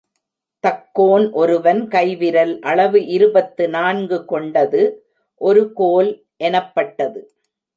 தக்கோன் ஒருவன் கைவிரல் அளவு இருபத்து நான்கு கொண்டது ஒரு கோல் எனப்பட்டது.